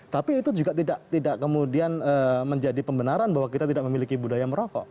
tapi itu juga tidak kemudian menjadi pembenaran bahwa kita tidak memiliki budaya merokok